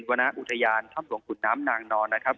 วรรณอุทยานถ้ำหลวงขุนน้ำนางนอนนะครับ